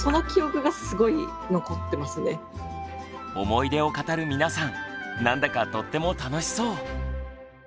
思い出を語る皆さんなんだかとっても楽しそう。